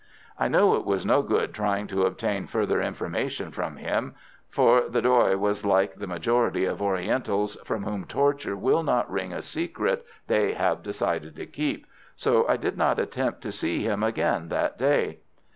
I knew it was no good trying to obtain further information from him, for the Doy was like the majority of Orientals, from whom torture will not wring a secret they have decided to keep, so I did not attempt to see him again that day.